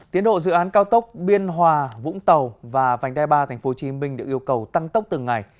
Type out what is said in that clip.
tiến độ dự án cao tốc biên hòa vũng tàu và vành đai ba tp hcm được yêu cầu tăng tốc từng ngày